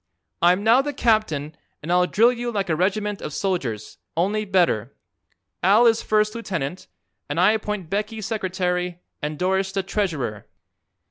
I'm now the captain and I'll drill you like a regiment of soldiers, only better. Al is first lieutenant, and I appoint Becky secretary and Doris the treasurer."